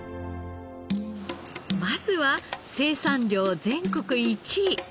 まずは生産量全国１位。